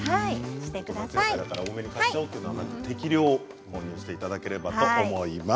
夏野菜だから多めに買っちゃおうというのではなく適量を購入していただければと思います。